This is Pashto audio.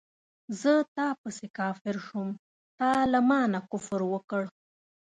زه تا پسې کافر شوم تا له مانه کفر وکړ